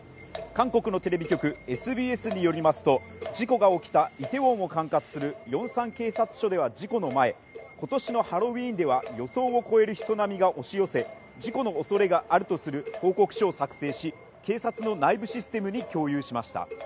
韓国のテレビ局ＳＢＳによりますと事故が起きたイテウォンを管轄するヨンサン警察署では事故の前ことしのハロウィーンでは予想を超える人波が押し寄せ事故の恐れがあるとする報告書を作成し警察の内部システムに共有しました